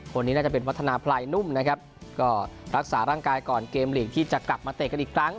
คนนี้น่าจะเป็นวัฒนาพลายนุ่มนะครับก็รักษาร่างกายก่อนเกมลีกที่จะกลับมาเตะกันอีกครั้ง